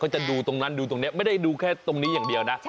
จะดูตรงนั้นดูตรงนี้ไม่ได้ดูแค่ตรงนี้อย่างเดียวนะ